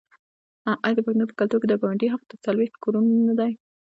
آیا د پښتنو په کلتور کې د ګاونډي حق تر څلوېښتو کورونو نه دی؟